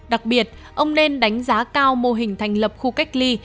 đặc biệt ông nên đánh giá cao mô hình thành lập khu cách ly